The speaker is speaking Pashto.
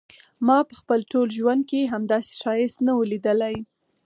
ما په خپل ټول ژوند کې همداسي ښایست نه و ليدلی.